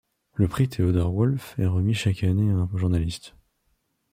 Le Prix Theodor Wolff est remis chaque année à un journaliste.